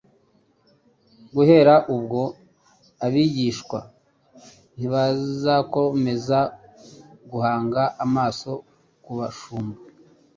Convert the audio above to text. Guhera ubwo abigishwa ntibazakomeza guhanga 'amaso ku bashumba